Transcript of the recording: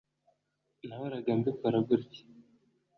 Nahoraga mbikora gutya